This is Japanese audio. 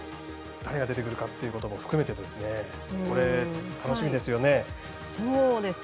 誰が出てくるかっていうことも含めて楽しみですよね。